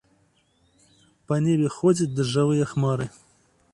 Па небе ходзяць дажджавыя хмары.